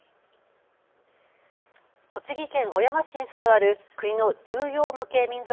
栃木県小山市に伝わる国の重要無形民俗